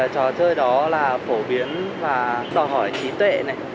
trò chơi đó là phổ biến và đòi hỏi trí tuệ